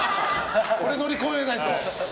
これ乗り越えないと。